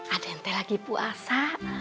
adente lagi puasa